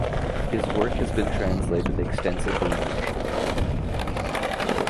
His work has been translated extensively in Russian.